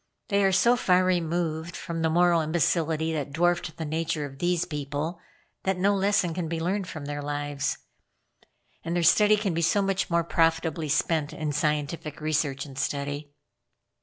They are so far removed from the moral imbecility that dwarfed the nature of these people, that no lesson can be learned from their lives; and their time can be so much more profitably spent in scientific research and study."